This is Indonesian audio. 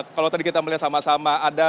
kalau tadi kita melihat sama sama